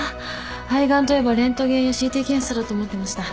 肺がんといえばレントゲンやＣＴ検査だと思ってました。